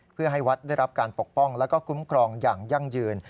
เพื่อให้วัดได้รับการปกป้องแล้วก็คุ้มครองอย่างยั่งยืน